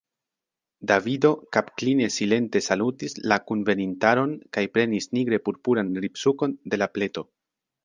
Davido kapkline silente salutis la kunvenintaron kaj prenis nigre purpuran ribsukon de la pleto.